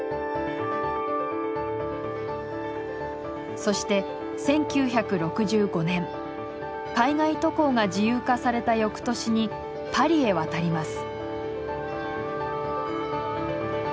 そして１９６５年海外渡航が自由化された翌年にパリへ渡ります。